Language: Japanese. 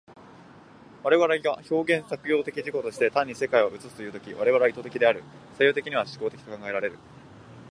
我々が表現作用的自己として単に世界を映すという時、我々は意識的である、作用的には志向的と考えられる。